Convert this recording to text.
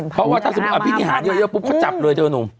เพราะว่าถ้าสมมุติอภินิหารเยอะปุ๊บเขาจับเลยเธอหนุ่ม